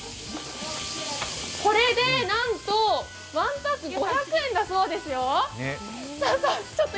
これで、なんと１パック５００円だそうですよ。